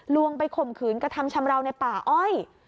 วงไปข่มขืนกระทำชำราวในป่าอ้อย